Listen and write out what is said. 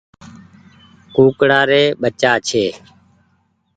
ڪوڪڙآ ري ٻچآ ڇي۔